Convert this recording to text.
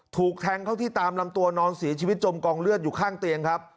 ถูกแทงเข้าที่ตามลำตัวนอนเสียชีวิตจมกองเลือดอยู่ข้างเตียงครับ